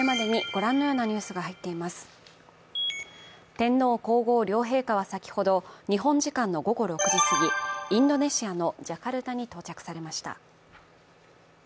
天皇皇后両陛下は先ほど、日本時間の午後６時過ぎ、インドネシアのジャカルタに到着されました。